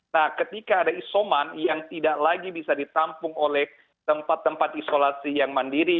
nah ketika ada isoman yang tidak lagi bisa ditampung oleh tempat tempat isolasi yang mandiri